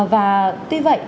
và tuy vậy